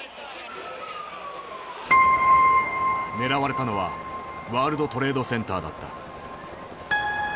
狙われたのはワールドトレードセンターだった。